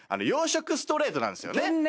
養殖ストレートなんですよね。